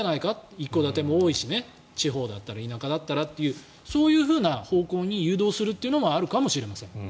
一戸建ても多いしね地方だったら田舎だったらというそういう方向に誘導するというのもあるかもしれません。